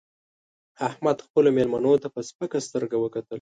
احمد خپلو مېلمنو ته په سپکه سترګه وکتل